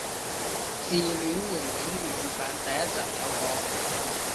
自戀刑警粵語版第一集有講